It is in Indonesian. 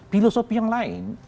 filosofi yang lain